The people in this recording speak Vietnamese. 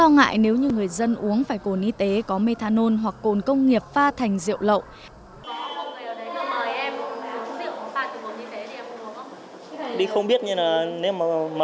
lo ngại nếu như người dân uống phải cồn y tế có methanol hoặc cồn công nghiệp pha thành rượu lậu